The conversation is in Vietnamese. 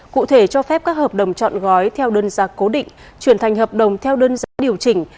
cụ thể cho phép các hợp đồng chọn gói theo đơn giá cố định chuyển thành hợp đồng theo đơn giá điều chỉnh